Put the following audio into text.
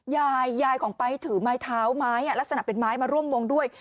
ยายยายของป้ายถือไม้เท้าไม้อ่ะแล้วสนับเป็นไม้มาร่วมมงด้วย